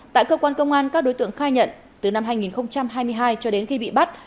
tại cơ quan công an các đối tượng khai nhận từ năm hai nghìn hai mươi hai cho đến khi bị bắt